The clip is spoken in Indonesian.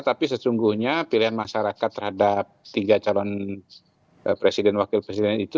tapi sesungguhnya pilihan masyarakat terhadap tiga calon presiden wakil presiden itu